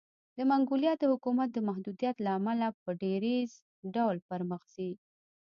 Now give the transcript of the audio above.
د منګولیا د حکومت د محدودیت له امله په ډېرپڅ ډول پرمخ ځي.